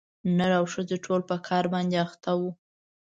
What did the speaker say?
نر او ښځي ټول په کار باندي اخته وه